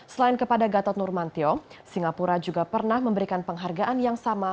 selain kepada gatot nurmantio singapura juga pernah memberikan penghargaan yang sama